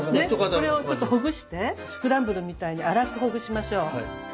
これをちょっとほぐしてスクランブルみたいに粗くほぐしましょう。